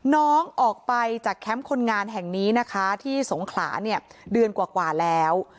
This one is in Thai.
น้องออกไปจากแคมป์คนงานแห่งนี้นะคะที่สงขลาเนี่ยเดือนกว่าแล้ว